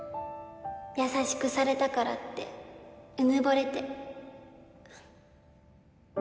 優しくされたからってうぬぼれて